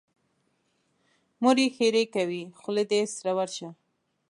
مور یې ښېرې کوي: خوله دې سره ورشه.